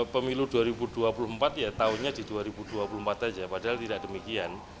pemilu dua ribu dua puluh empat ya tahunnya di dua ribu dua puluh empat saja padahal tidak demikian